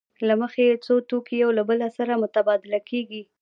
له مخې یې څو توکي یو له بل سره مبادله کېږي